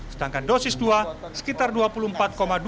sedangkan dosis dua sekitar dua puluh empat dua juta